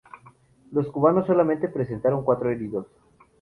Los cubanos solamente presentaron cuatro heridos.